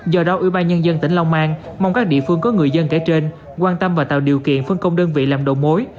do đó ubnd tỉnh long an mong các địa phương có người dân kể trên quan tâm và tạo điều kiện phân công đơn vị làm đầu mối